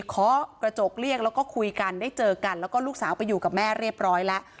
เคาะกระจกเรียกแล้วก็คุยกันได้เจอกันแล้วก็ลูกสาวไปอยู่กับแม่เรียบร้อยแล้ว